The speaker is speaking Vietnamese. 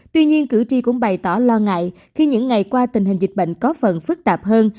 tuy nhiên cử tri cũng bày tỏ lo ngại khi những ngày qua tình hình dịch bệnh có phần phức tạp hơn